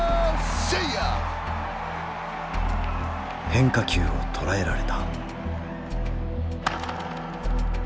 変化球を捉えられた。